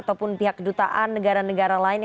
ataupun pihak dutaan negara negara lainnya